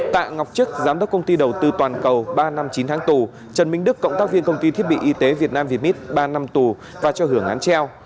tạ ngọc chức giám đốc công ty đầu tư toàn cầu ba năm chín tháng tù trần minh đức cộng tác viên công ty thiết bị y tế việt nam viet ba năm tù và cho hưởng án treo